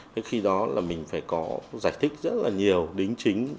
thế khi đó là mình phải có giải thích rất là nhiều đính chính